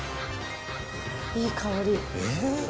いい香り。